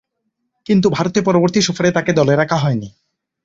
কিন্তু, ভারতে পরবর্তী সফরে তাকে দলে রাখা হয়নি।